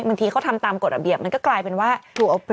บางทีเขาทำตามกฎระเบียบมันก็กลายเป็นว่าถูกเอาไป